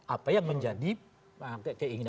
apa yang menjadi keinginan pak jokowi